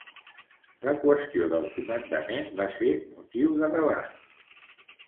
La qüestió del comandament va ser motiu de debat.